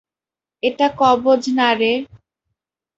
এটা কবজ না রে।